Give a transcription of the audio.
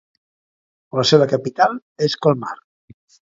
La seva capital és Colmar.